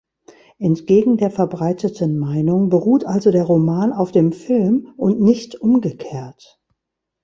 Entgegen der verbreiteten Meinung beruht also der Roman auf dem Film und nicht umgekehrt.